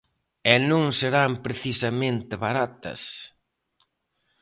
E non serán precisamente baratas.